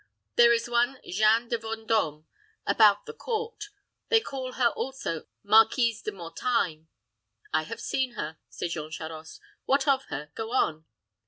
There is one Jeanne de Vendôme about the court; they call her also Marquise De Mortaigne " "I have seen her," said Jean Charost. "What of her? Go on."